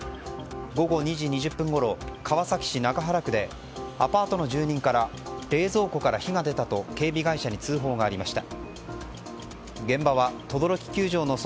午後２時２０分ごろ川崎市中原区でアパートの住人から冷蔵庫から火が出たと警備会社に通報がありました。